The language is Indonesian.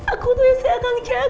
aku tuh isi kang jaka